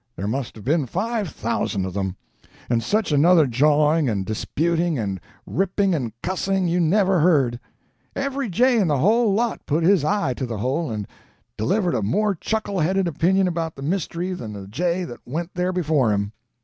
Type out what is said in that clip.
There must have been five thousand of them; and such another jawing and disputing and ripping and cussing, you never heard. Every jay in the whole lot put his eye to the hole and delivered a more chuckle headed opinion about the mystery than the jay that went there before him.